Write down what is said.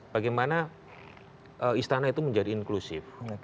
bagaimana istana itu menjadi inklusif